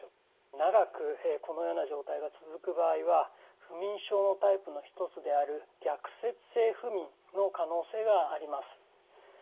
長くこのような状態が続く場合は不眠症のタイプの一つである逆説性不眠の可能性があります。